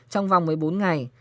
trong vòng một mươi bốn ngày